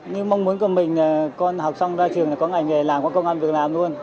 như mong muốn của mình là con học xong ra trường là có ngành nghề làm có công an việc làm luôn